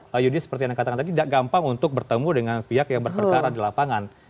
pak yudi seperti yang anda katakan tadi tidak gampang untuk bertemu dengan pihak yang berperkara di lapangan